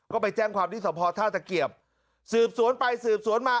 ก็ไปแจ้งความวิทย์สมภาษณ์ท่าเศรษฐ์เกียบสืบสวนไปสืบสวนมา